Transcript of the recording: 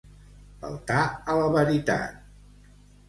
Faltar a la veritat.